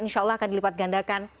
insyaallah akan dilipat gandakan